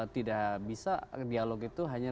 tidak bisa dialog itu hanya